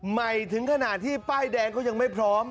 ใหม่ถึงขนาดที่ป้ายแดงก็ยังไม่พร้อม